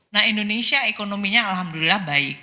nah indonesia ekonominya alhamdulillah baik